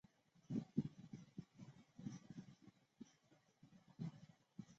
砂石狸藻为狸藻属小型一年生陆生食虫植物。